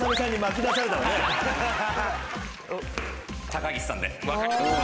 高岸さんで。